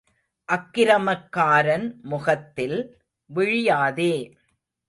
அக்கிரமக்காரன் முகத்தில் விழியாதே.